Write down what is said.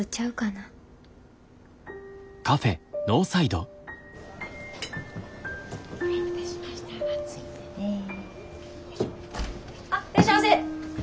あっいらっしゃいませ。